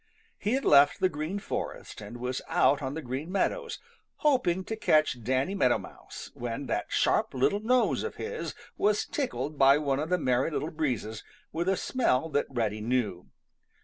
He had left the Green Forest and was out on the Green Meadows, hoping to catch Danny Meadow Mouse, when that sharp little nose of his was tickled by one of the Merry Little Breezes with a smell that Reddy knew.